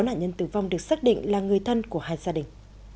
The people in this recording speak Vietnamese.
sáu nạn nhân tử vong được xác định là người thân của hai gia đình